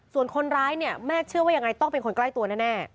ส่วนคนร้ายเนี่ยแม่เชื่อว่ายังไงต้องเป็นคนใกล้ตัวแน่